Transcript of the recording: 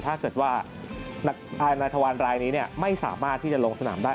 ถ้าเกิดว่านายธวัลรายนี้ไม่สามารถที่จะลงสนามได้